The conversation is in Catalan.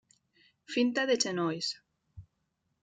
Finta de genolls: